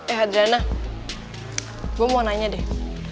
eh adriana gue mau nanya deh